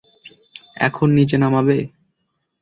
এখন নিচে নামাবে?